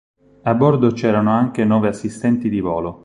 A bordo c'erano anche nove assistenti di volo.